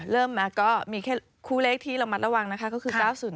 เริ่มก็มีแค่ครูเลขที่ระมัดระวังก็คือ๙๐๙